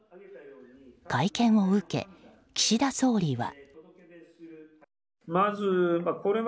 会見を受け岸田総理は。